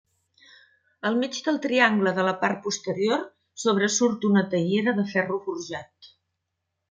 Al mig del triangle de la part posterior sobresurt una teiera de ferro forjat.